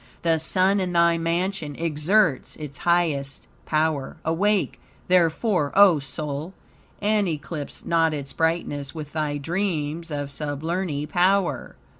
The sun in thy mansion exerts its highest power. Awake, therefore, O soul, and eclipse not its brightness with thy dreams of sublunary power.